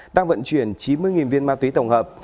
đang vận chuyển chín mươi viên ma túy tổng hợp